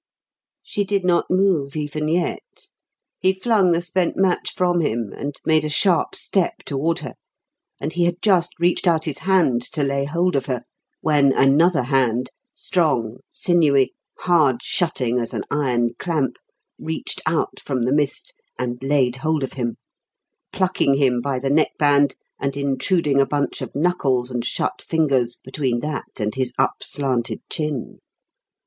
She did not move even yet. He flung the spent match from him, and made a sharp step toward her, and he had just reached out his hand to lay hold of her, when another hand strong, sinewy, hard shutting as an iron clamp reached out from the mist, and laid hold of him; plucking him by the neckband and intruding a bunch of knuckles and shut fingers between that and his up slanted chin.